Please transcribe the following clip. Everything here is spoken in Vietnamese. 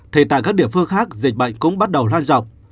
thì tại các địa phương khác dịch bệnh cũng bắt đầu lan rộng